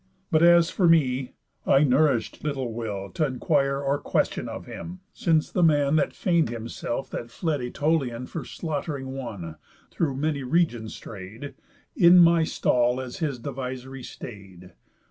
But, as for me, I nourish'd little will T' inquire or question of him, since the man That feign'd himself the fled Ætolian, For slaught'ring one, through many regions stray'd, In my stall, as his diversory, stay'd.